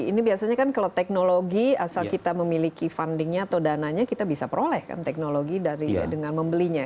ini biasanya kan kalau teknologi asal kita memiliki fundingnya atau dananya kita bisa peroleh kan teknologi dengan membelinya